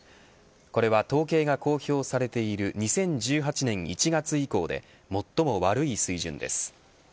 これは統計が公表されている２０１８年１月以降で最も悪い水準です。